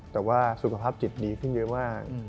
แต่ว่าสุขภาพจิตดีขึ้นเยอะมาก